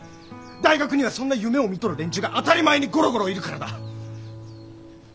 大学にはそんな夢をみとる連中が当たり前にゴロゴロいるからだ！